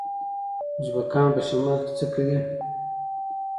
ازبکان په شمال کې څه کوي؟